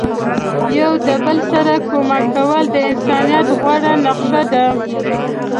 یو د بل سره کومک کول د انسانیت غوره نخښه ده.